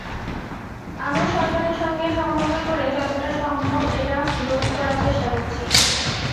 আমরা সরকারের সঙ্গে সমন্বয় করে যতটা সম্ভব এটা রোধ করার চেষ্টা করছি।